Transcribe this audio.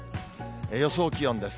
予想気温です。